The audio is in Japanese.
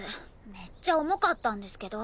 めっちゃ重かったんですけど。